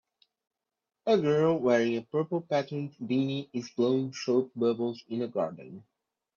A girl wearing a purple patterned beanie is blowing soap bubbles in a garden.